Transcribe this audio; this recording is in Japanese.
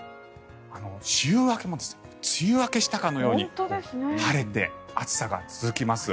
週明けも梅雨明けしたかのように晴れて暑さが続きます。